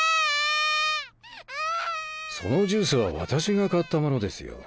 そのジュースは私が買ったものですよ。